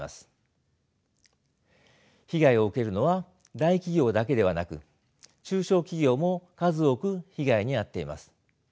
被害を受けるのは大企業だけではなく中小企業も数多く被害に遭っています。